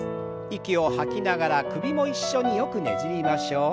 息を吐きながら首も一緒によくねじりましょう。